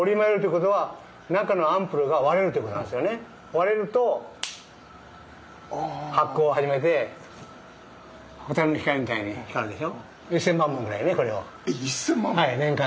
割れると発光を始めて蛍の光みたいに光るでしょ？